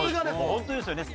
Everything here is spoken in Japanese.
本当ですよね。